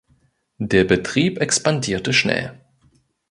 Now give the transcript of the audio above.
Der Betrieb expandierte schnell.